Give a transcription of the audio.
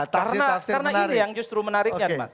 karena ini yang justru menariknya